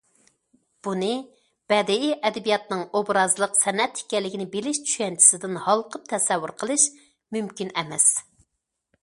بۇنى بەدىئىي ئەدەبىياتنىڭ ئوبرازلىق سەنئەت ئىكەنلىكىنى بىلىش چۈشەنچىسىدىن ھالقىپ تەسەۋۋۇر قىلىش مۇمكىن ئەمەس.